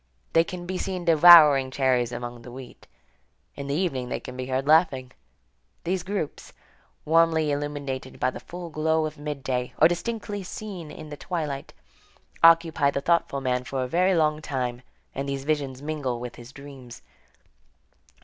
They can be seen devouring cherries among the wheat. In the evening they can be heard laughing. These groups, warmly illuminated by the full glow of midday, or indistinctly seen in the twilight, occupy the thoughtful man for a very long time, and these visions mingle with his dreams.